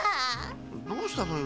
どうしたのよ